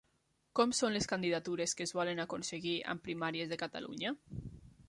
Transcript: Com són les candidatures que es volen aconseguir amb Primàries de Catalunya?